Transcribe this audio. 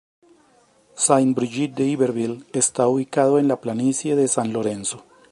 Sainte-Brigide-d’Iberville está ubicado en la planicie de San Lorenzo.